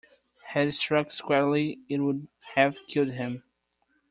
Had it struck squarely it would have killed him.